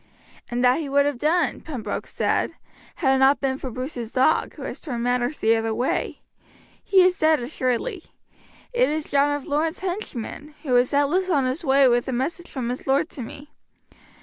"And that he would have done," Pembroke said, "had it not been for Bruce's dog, who has turned matters the other way. He is dead assuredly. It is John of Lorne's henchman, who was doubtless on his way with a message from his lord to me.